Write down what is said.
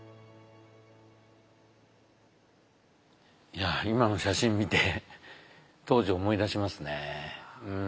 いや今の写真見て当時を思い出しますね。